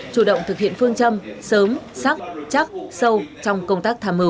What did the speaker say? chủ động thực hiện phương châm sớm sắc chắc sâu trong công tác tham mưu